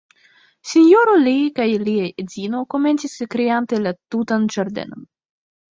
Sinjoro Lee kaj lia edzino komencis kreante la tutan ĝardenon.